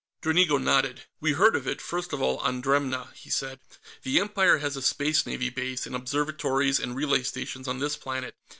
Dranigo nodded. "We heard of it, first of all, on Dremna," he said. "The Empire has a Space Navy base, and observatories and relay stations, on this planet.